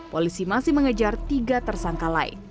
polisi masih mengejar tiga tersangka lain